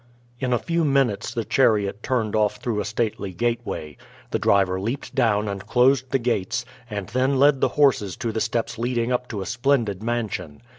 In a few minutes the chariot turned off through a stately gateway. The driver leaped down and closed the gates, and then led the horses to the steps leading up to a splendid mansion.